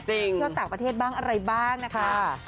เที่ยวต่างประเทศบ้างอะไรบ้างนะคะ